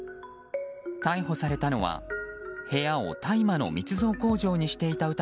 逮捕されたのは部屋を大麻の密造工場にしていた